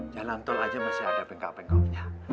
jalan tol aja masih ada bengkak bengkoknya